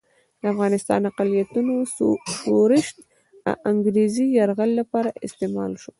د افغاني اقلیتونو شورش د انګریزي یرغل لپاره استعمال شو.